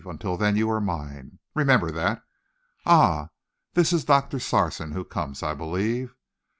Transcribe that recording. Until then, you are mine. Remember that. Ah! this is Doctor Sarson who comes, I believe.